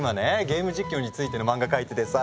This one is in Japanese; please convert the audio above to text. ゲーム実況についての漫画描いててさ。